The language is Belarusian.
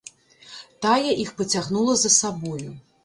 Тая іх пацягнула за сабою.